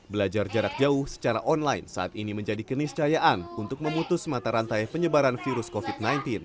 belajar jarak jauh secara online saat ini menjadi keniscayaan untuk memutus mata rantai penyebaran virus covid sembilan belas